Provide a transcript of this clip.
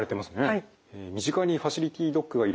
はい。